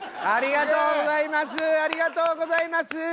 ありがとうございます！